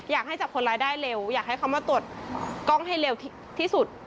อยากให้จับคนร้ายได้เร็วอยากให้เขามาตรวจกล้องให้เร็วที่สุด